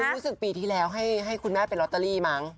รู้สึกปีที่แล้วให้คุณแม่เป็นลอตเตอรี่มั้ง